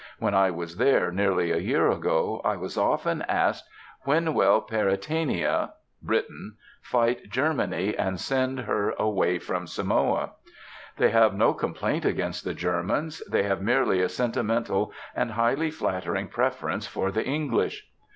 When I was there, nearly a year ago, I was often asked, "When will Peritania (Britain) fight Germany, and send her away from Samoa?" They have no complaint against the Germans. They have merely a sentimental and highly flattering preference for the English.